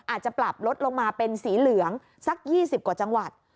อาจจะปรับลดลงมาเป็นสีเหลืองสัก๒๐กว่าจังหวัด